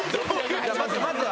まずは。